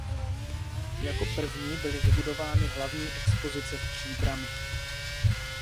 Jako první byly vybudovány hlavní expozice v Příbrami.